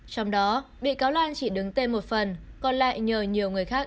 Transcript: trong đó bị cáo loan chỉ đứng tên một phần còn lại nhờ nhiều người khác